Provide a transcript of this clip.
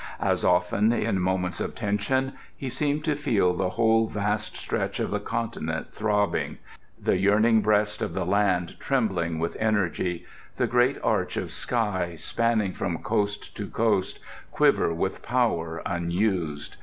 As often, in moments of tension, he seemed to feel the whole vast stretch of the continent throbbing; the yearning breast of the land trembling with energy; the great arch of sky, spanning from coast to coast, quiver with power unused.